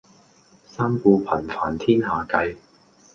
三顧頻煩天下計